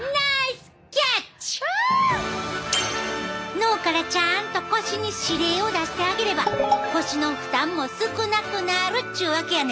脳からちゃんと腰に指令を出してあげれば腰の負担も少なくなるっちゅうわけやねん！